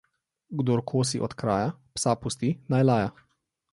Kdor kosi od kraja, psa pusti, naj laja.